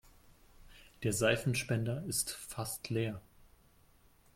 Der Seifenspender ist fast leer.